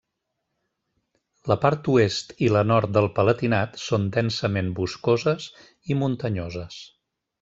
La part oest i la nord del Palatinat són densament boscoses i muntanyoses.